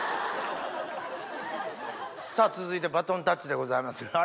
さぁ続いてバトンタッチでございます。